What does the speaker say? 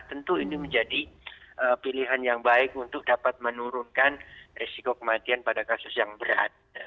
tentu ini menjadi pilihan yang baik untuk dapat menurunkan risiko kematian pada kasus yang berat